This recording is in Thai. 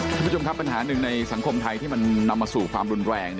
คุณผู้ชมครับปัญหาหนึ่งในสังคมไทยที่มันนำมาสู่ความรุนแรง